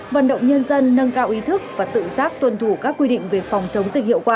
vận động nhân dân nâng cao ý thức và tự giác tuân thủ các quy định về phòng chống dịch hiệu quả